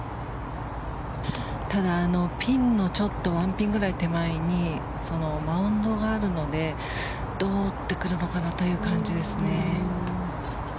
ただ、ピンのちょっとワンピンぐらい手前にマウンドがあるのでどう打ってくるのかなという感じですね。